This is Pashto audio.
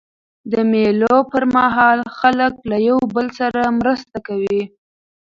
د مېلو پر مهال خلک له یو بل سره مرسته کوي.